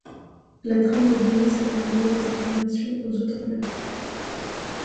La trame de données sert à envoyer des informations aux autres nœuds.